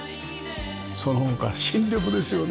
その他深緑ですよね。